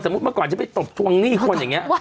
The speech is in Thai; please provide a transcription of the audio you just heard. เมื่อก่อนฉันไปตบทวงหนี้คนอย่างนี้